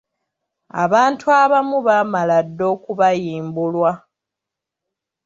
Abantu abamu baamala dda okubayimbulwa.